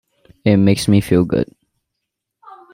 It makes me feel good.